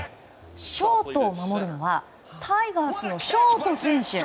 ショートを守るのはタイガースのショート選手！